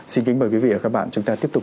xin kính mời quý vị và các bạn chúng ta tiếp tục